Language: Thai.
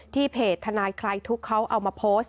ที่เพจธนายใครทุกเขาเอามาโพสต์